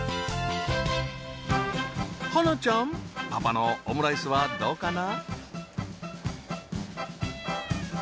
芭那ちゃんパパのオムライスはどうかな？